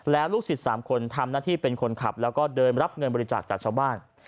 แล้วลูกศิษย์๓คนทำหน้าที่เป็นคนขับแล้วก็เดินรับเงินบริจาคจากชาวบ้าน